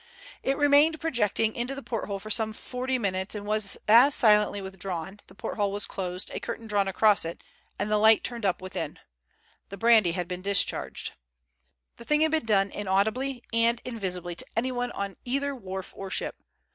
It remained projecting into the porthole for some forty minutes, was as silently withdrawn, the porthole was closed, a curtain drawn across it, and the light turned up within. The brandy had been discharged. The thing had been done inaudibly, and invisibly to anyone on either wharf or ship.